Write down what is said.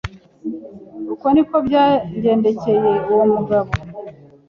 Uko ni ko byagendekeye uwo umugabo